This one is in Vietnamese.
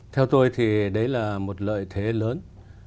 theo tôi thì đấy là một lợi thế lớn